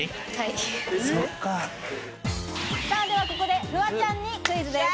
ではここで、フワちゃんにクイズです。